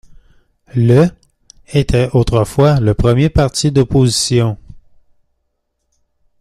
Le était autrefois le premier parti d'opposition.